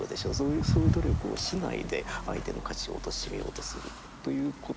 そういう努力をしないで相手の価値をおとしめようとするということですね。